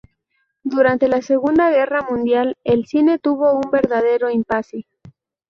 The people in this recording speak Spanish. Durante la Segunda Guerra Mundial el cine tuvo un verdadero impasse.